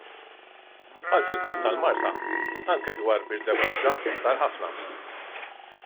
Bħal fil-każ tal-Marsa, anki dwar Birżebbuġa sar ħafna.